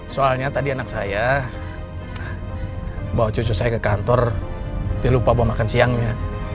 soalnya tadi anak saya bawa cucu saya ke kantor dia lupa bawa makan siangnya